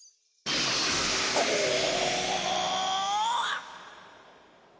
おお。